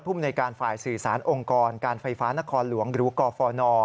ภูมิในการฝ่ายสื่อสารองค์กรการไฟฟ้านครหลวงหรือกฟน